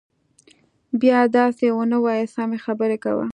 بيا دسې ونه وايي سمې خبرې کوه.